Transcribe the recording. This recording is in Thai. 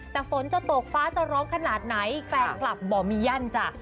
แต่ฝนจะตกฟ้าจะร้องขนาดไหนแฟนคลับบ่อมียั่นจ้ะ